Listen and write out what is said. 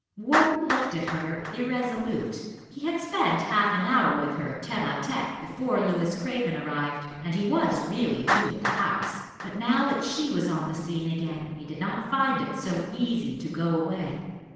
Wharton looked at her irresolute. He had spent half an hour with her tête à tête before Louis Craven arrived, and he was really due at the House. But now that she was on the scene again, he did not find it so easy to go away.